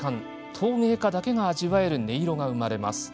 陶芸家だけが味わえる音色が生まれるんです。